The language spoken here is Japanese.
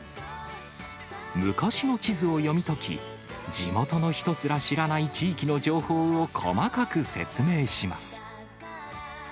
昔の地図を読み解き、地元の人すら知らない地域の情報を細かく説明します。